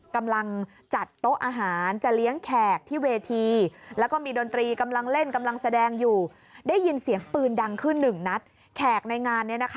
กำลังจัดโต๊ะอาหาร